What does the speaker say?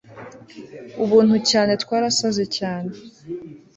Ubuntu cyane twarasaze cyane